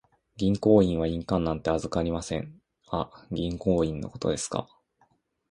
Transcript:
銀行員は印鑑なんて預かりません。あ、銀行印のことですか。